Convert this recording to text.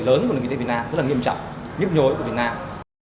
lớn của nền kinh tế việt nam rất là nghiêm trọng nhức nhối của việt nam